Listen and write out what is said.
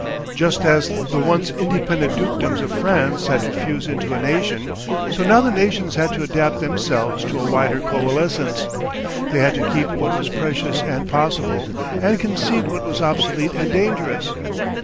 Just as the once independent dukedoms of France had to fuse into a nation, so now the nations had to adapt themselves to a wider coalescence, they had to keep what was precious and possible, and concede what was obsolete and dangerous.